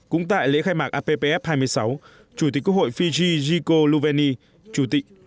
cũng tại lễ khai mạc appf hai mươi sáu chủ tịch quốc hội fiji gico luveni chủ tịch